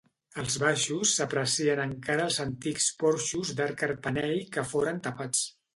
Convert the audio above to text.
Als baixos s'aprecien encara els antics porxos d'arc carpanell que foren tapats.